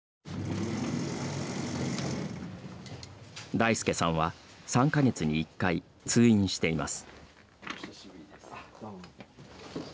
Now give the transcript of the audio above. ダイスケさんは３か月に１回、通院しています。